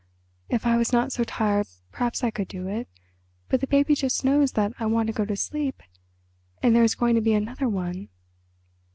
If I was not so tired perhaps I could do it; but the baby just knows that I want to go to sleep. And there is going to be another one."